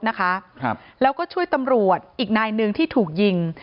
นะครับแล้วก็ช่วยตำรวจอีกนายหนึ่งที่ถูกยิง